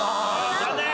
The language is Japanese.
残念！